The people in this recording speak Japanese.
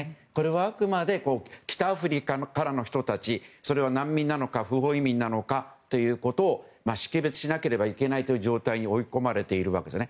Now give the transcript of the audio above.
あくまで北アフリカからの人たちそれは難民なのか不法移民なのかということを識別しなければいけない状態に追い込まれているんですね。